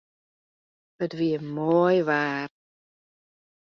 It wie moai waar.